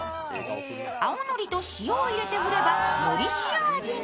青のりと塩を入れて振ればのり塩味に。